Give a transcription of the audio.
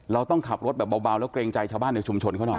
เราต้องขับรถแบบเบาแล้วเกรงใจชาวบ้านในชุมชนเขาหน่อย